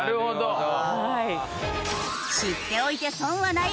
知っておいて損はない。